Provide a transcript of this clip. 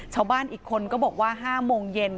ชาวบ้านอีกคนก็บอกว่า๕โมงเย็น